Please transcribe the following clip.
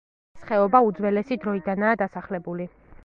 ეს ხეობა უძველესი დროიდანაა დასახლებული.